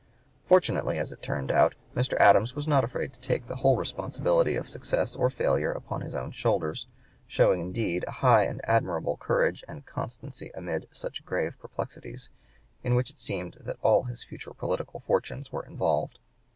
Fortunately, as it turned out, Mr. Adams was not afraid to take the whole responsibility of success or failure upon his own shoulders, showing indeed a high and admirable courage and constancy amid such grave perplexities, in which it seemed that all his future political fortunes were involved.